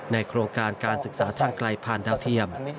โครงการการศึกษาทางไกลผ่านดาวเทียม